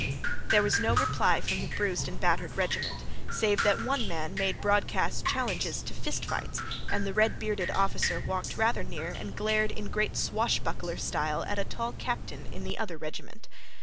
There was no reply from the bruised and battered regiment, save that one man made broadcast challenges to fist fights and the red bearded officer walked rather near and glared in great swashbuckler style at a tall captain in the other regiment.